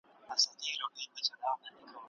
د جذبې محبت ژر سړیږي.